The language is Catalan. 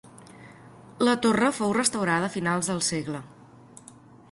La torre fou restaurada a finals del segle.